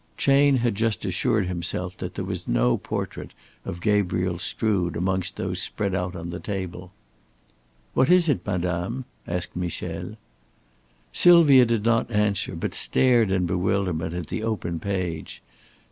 Chayne had just assured himself that there was no portrait of Gabriel Strood amongst those spread out upon the table. "What is it, madame?" asked Michel. Sylvia did not answer, but stared in bewilderment at the open page.